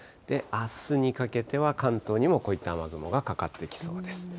あすにかけては関東にもこういった雨雲がかかってきそうです。